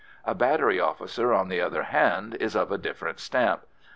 A battery officer, on the other hand, is of a different stamp.